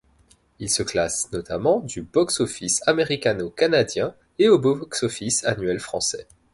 Il se classe notamment du box-office américano-canadien et au box-office annuel français.